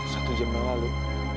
satu jam yang lalu